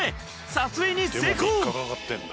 撮影に成功！